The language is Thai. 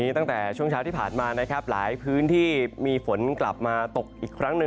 ตั้งแต่ช่วงเช้าที่ผ่านมานะครับหลายพื้นที่มีฝนกลับมาตกอีกครั้งหนึ่ง